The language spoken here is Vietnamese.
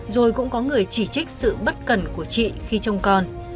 rồi cũng có người chỉ trích sự bất cần của chị khi trông con